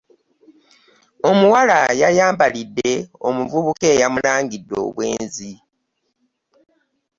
Omuwala yayambalidde omuvubuka eyamulangidde obwenzi.